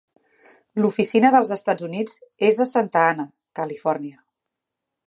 L'oficina dels Estats Units és a Santa Ana, Califòrnia.